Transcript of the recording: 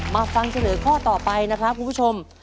ฟังเฉลยข้อต่อไปนะครับคุณผู้ชม